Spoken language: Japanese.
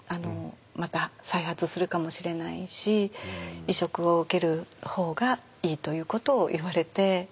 また再発するかもしれないし移植を受ける方がいいということを言われて。